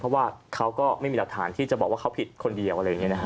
เพราะว่าเขาก็ไม่มีรัฐานที่จะบอกว่าเขาผิดคนเดียว